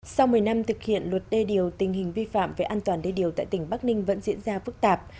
sau một mươi năm thực hiện luật đê điều tình hình vi phạm về an toàn đê điều tại tỉnh bắc ninh vẫn diễn ra phức tạp